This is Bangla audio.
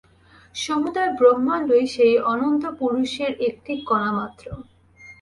সমুদয় ব্রহ্মাণ্ডই সেই অনন্ত পুরুষের একটি কণামাত্র।